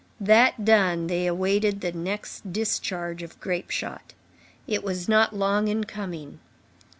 That done, they awaited the next discharge of grape shot. It was not long in coming.